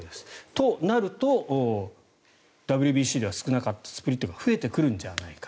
となると、ＷＢＣでは少なかったスプリットが増えてくるんじゃないか。